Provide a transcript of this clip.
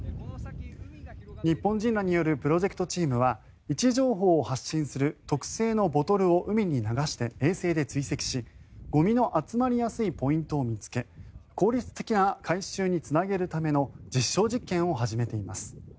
日本人らによるプロジェクトチームは位置情報を発信する特製のボトルを海に流して衛星で追跡しゴミの集まりやすいポイントを見つけ効率的な回収につなげるための実証実験を始めています。